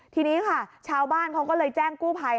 ทีนี้ค่ะชาวบ้านเขาก็เลยแจ้งกู้ภัย